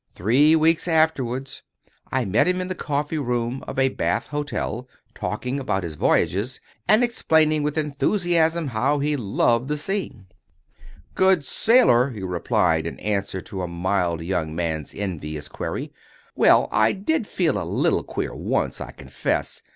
Three weeks afterwards, I met him in the coffee room of a Bath hotel, talking about his voyages, and explaining, with enthusiasm, how he loved the sea. "Good sailor!" he replied in answer to a mild young man's envious query; "well, I did feel a little queer once, I confess.